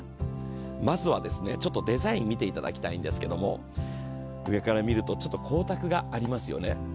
まずはデザイン見ていただきたいんですけど、上から見るとちょっと光沢がありますよね。